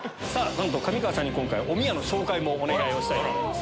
上川さんに今回おみやの紹介もお願いをしたいと思います。